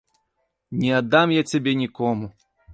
Не аддам я цябе нікому.